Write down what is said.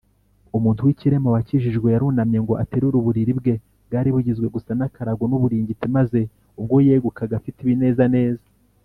Umuntu w’ikirema wakijijwe yarunamye ngo aterure uburiri bwe bwari bugizwe gusa n’akarago n’uburingiti, maze ubwo yegukaga afite ibinezaneza